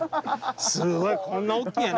すごいこんな大きいんやね